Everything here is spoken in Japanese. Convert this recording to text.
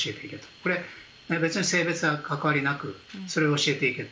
これ、別に性別は関わりなくそれを教えていくと。